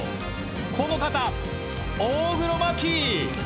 この方、大黒摩季！